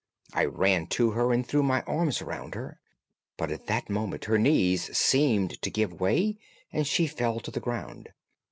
I ran to her and threw my arms round her, but at that moment her knees seemed to give way and she fell to the ground.